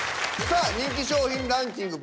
さあ人気商品ランキング